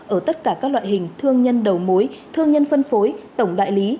ở tất cả các loại hình thương nhân đầu mối thương nhân phân phối tổng đại lý